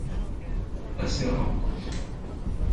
Assez rare en Corse.